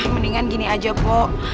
mendingan gini aja pok